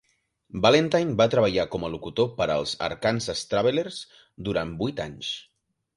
Valentine va treballar com a locutor per als Arkansas Travelers durant vuit anys.